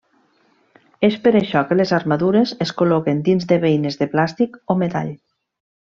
És per això que les armadures es col·loquen dins de beines de plàstic o metall.